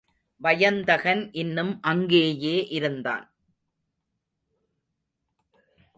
வயந்தகன் இன்னும் அங்கேயே இருந்தான்.